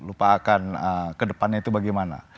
lupakan kedepannya itu bagaimana